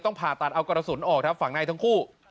ต้องผ่าตัดเอากระสุนออกฝังในทั้งคู่